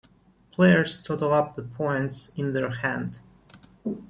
Players total up the points in their hand.